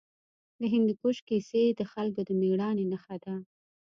د هندوکش کیسې د خلکو د مېړانې نښه ده.